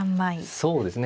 そうですね。